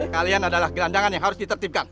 kalian adalah gelandangan yang harus ditertibkan